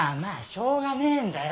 しょうがねえんだよ。